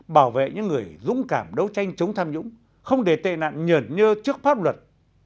bảo vệ những người dũng cảm đấu tranh chống tham nhũng không để tệ nạn nhờn nhơ trước pháp luật